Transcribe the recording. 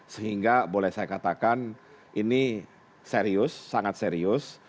sehingga boleh saya katakan ini serius sangat serius